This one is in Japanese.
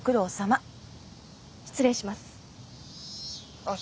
失礼します。